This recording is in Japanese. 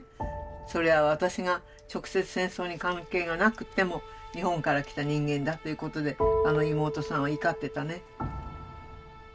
それは私が直接戦争に関係がなくても日本から来た人間だということで妹さんは怒ってたね。